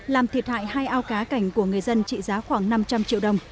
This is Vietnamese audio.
làm thiệt hại hai ao cá cảnh của người dân trị giá khoảng năm trăm linh triệu đồng